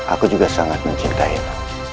aku juga sangat mencintainu